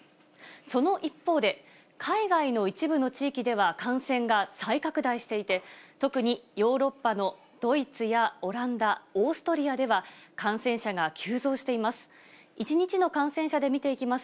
その一方で、海外の一部の地域では感染が再拡大していて、特にヨーロッパのドイツやオランダ、オーストリアでは感染者が急増しています。